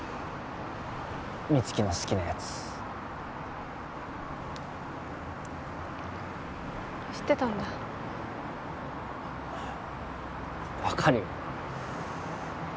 美月の好きなヤツ知ってたんだ分かるよ